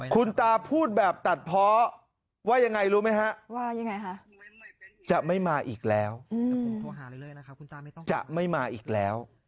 คุณตาพูดแบบตัดเพราะว่ายังไงรู้ไหมฮะว่ายังไงคะจะไม่มาอีกแล้วจะไม่มาอีกแล้ว